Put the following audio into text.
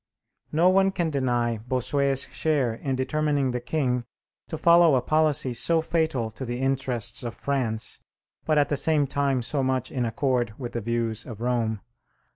No one can deny Bossuet's share in determining the king to follow a policy so fatal to the interests of France, but at the same time so much in accord with the views of Rome.